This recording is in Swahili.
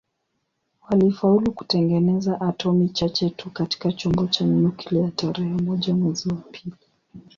Walifaulu kutengeneza atomi chache tu katika chombo cha nyuklia tarehe moja mwezi wa pili